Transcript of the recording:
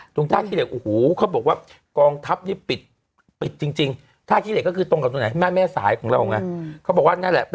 ตรงท่าขี้เหล็กอูหูเค้าบอกว่ากองทัพปิดก็ตรงแห่งแม่สายของเราอะ